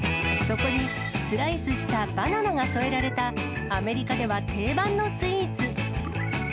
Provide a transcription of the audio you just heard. そこにスライスしたバナナが添えられたアメリカでは定番のスイーツ。